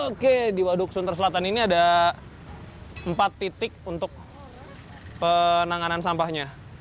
oke di waduk sunter selatan ini ada empat titik untuk penanganan sampahnya